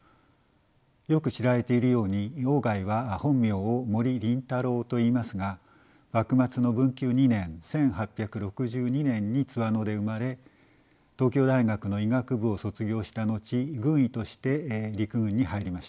よく知られているように外は本名を森林太郎といいますが幕末の文久２年１８６２年に津和野で生まれ東京大学の医学部を卒業した後軍医として陸軍に入りました。